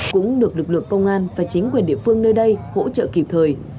cũng được lực lượng công an và chính quyền địa phương nơi đây hỗ trợ kịp thời